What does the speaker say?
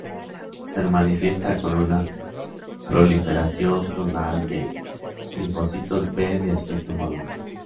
Se manifiesta con una proliferación clonal de linfocitos B, de aspecto maduro.